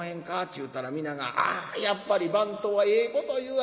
ちゅうたら皆が『やっぱり番頭はええこと言う。